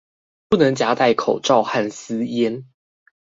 不能夾帶口罩跟私菸